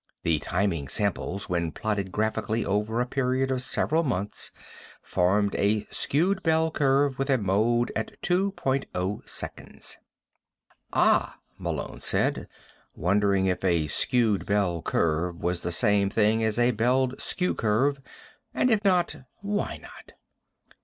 The timing samples, when plotted graphically over a period of several months, formed a skewed bell curve with a mode at two point oh seconds." "Ah," Malone said, wondering if a skewed bell curve was the same thing as a belled skew curve, and if not, why not?